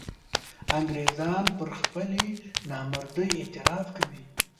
انګرېزان پر خپلې نامردۍ اعتراف کوي.